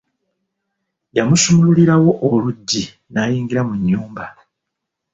Yamusumululirawo oluggyi n'ayingira munda mu nnyumba.